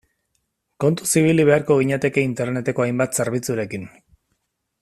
Kontuz ibili beharko ginateke Interneteko hainbat zerbitzurekin.